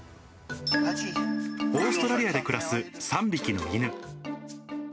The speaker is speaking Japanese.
オーストラリアで暮らす３匹の犬。